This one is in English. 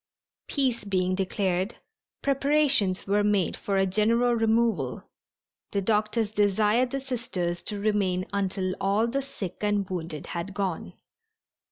Peace being declared, preparations were made for a general removal. The doctors desired the Sisters to remain until all the sick and wounded had gone.